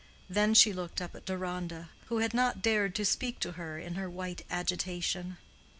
Then she looked up at Deronda, who had not dared to speak to her in her white agitation.